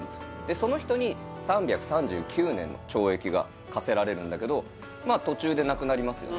その人に３３９年の懲役が科せられるんだけど途中で亡くなりますよね